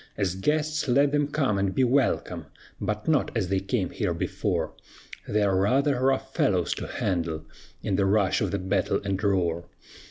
As guests let them come and be welcome, But not as they came here before; They are rather rough fellows to handle In the rush of the battle and roar.